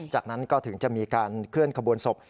จากนั้นก็ถึงจะมีการเคลื่อนขบวนศพ